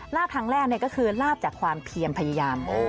ครั้งแรกก็คือลาบจากความเพียรพยายาม